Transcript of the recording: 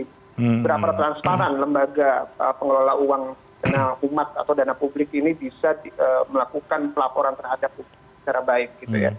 seberapa transparan lembaga pengelola uang umat atau dana publik ini bisa melakukan pelaporan terhadap hukum secara baik